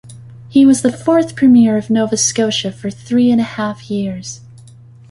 He was the fourth Premier of Nova Scotia for three and a half years.